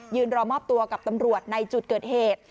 รอมอบตัวกับตำรวจในจุดเกิดเหตุ